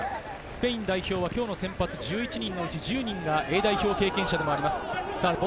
スペイン代表は先発１１人のうち１０人がＡ代表経験者でもあります。